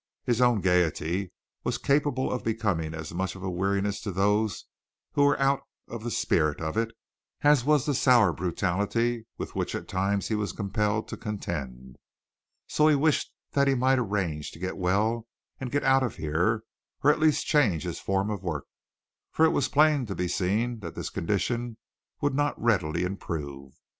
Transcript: His own gaiety was capable of becoming as much of a weariness to those who were out of the spirit of it, as was the sour brutality with which at times he was compelled to contend. So he wished that he might arrange to get well and get out of here, or at least change his form of work, for it was plain to be seen that this condition would not readily improve.